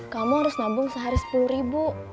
kamu harus nabung sehari sepuluh ribu